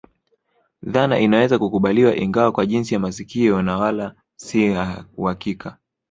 Dhana inaweza kukubaliwa ingawa kwa jinsi ya makisio na wala si uhakika